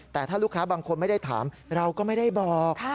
แต่ถ้าลูกค้าบางคนไม่ได้ถามเราก็ไม่ได้บอก